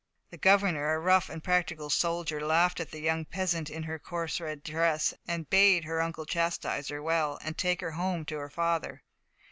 The governor, a rough and practical soldier, laughed at the young peasant in her coarse red dress, and bade her uncle chastise her well, and take her home to her father.